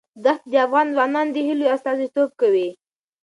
دښتې د افغان ځوانانو د هیلو استازیتوب کوي.